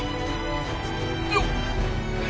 よっ！